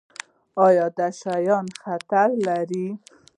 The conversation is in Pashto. ایا دا شیان خطر لري؟